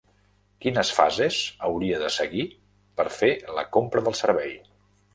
Quines fases hauria de seguir per fer la compra del servei?